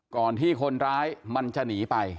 ก่อนที่คนร้ายมันจะหนีไป